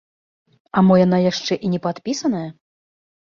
А мо яна яшчэ і не падпісаная?